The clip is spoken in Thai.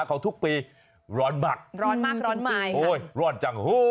เขาทุกปีร้อนมักร้อนจัง